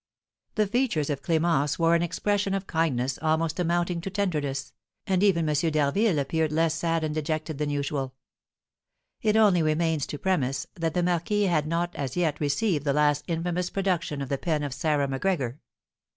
The features of Clémence wore an expression of kindness almost amounting to tenderness, and even M. d'Harville appeared less sad and dejected than usual. It only remains to premise that the marquis had not as yet received the last infamous production of the pen of Sarah Macgregor.